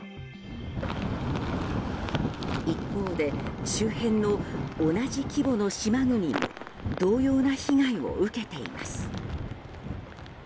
一方で、周辺の同じ規模の島国も同様な被害を受けています。